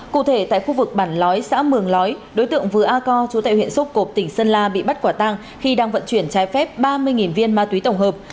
cụ thể tại khu vực bản lói xã mường lói đối tượng vừa a co trú tại huyện xúc cộp tỉnh sơn la bị bắt quả tang khi đang vận chuyển trái phép ba mươi viên ma túy tổng hợp